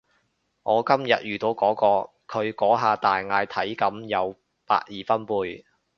我今日遇到嗰個，佢嗰下大嗌體感有百二分貝